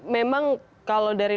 memang kalau dari